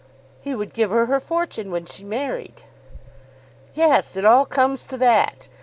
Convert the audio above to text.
"He would give her her fortune when she married." "Yes; it all comes to that.